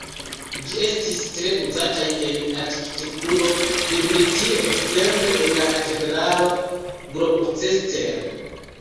Ĝi estis tre uzataj en arkitekturo de Britio, ekzemple en la Katedralo Gloucester.